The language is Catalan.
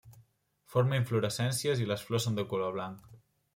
Forma inflorescències i les flors són de color blanc.